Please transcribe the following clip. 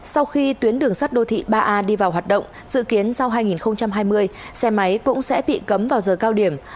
sau khi tuyến đường sắt đô thị ba a đi vào hoạt động dự kiến sau hai nghìn hai mươi xe máy cũng sẽ bị cấm vào giờ cao điểm